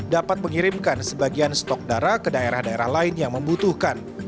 dapat mengirimkan sebagian stok darah ke daerah daerah lain yang membutuhkan